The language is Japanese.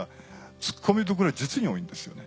ツッコみどころが実に多いんですよね。